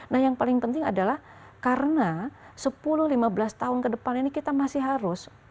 nah yang paling penting adalah karena sepuluh lima belas tahun ke depan ini kita masih harus